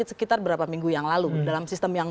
sekitar berapa minggu yang lalu dalam sistem yang